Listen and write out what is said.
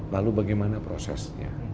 lalu bagaimana prosesnya